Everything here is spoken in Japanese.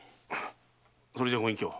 それじゃご隠居。